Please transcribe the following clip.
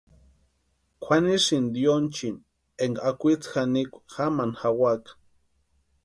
Kwʼanisïnti yonchini énka akwitsi janikwa jamani jawaka.